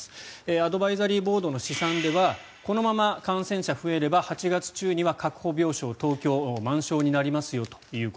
アドバイザリーボードの試算ではこのまま感染者が増えれば８月中には確保病床東京は満床になりますよと。